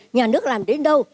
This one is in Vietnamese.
nhà nước làm đến đâu